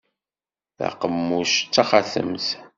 Taqemmuct d taxatemt.